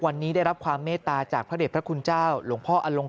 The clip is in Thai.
วันนี้ได้รับความเมตตาจากพระเด็จพระคุณเจ้าหลวงพ่ออลง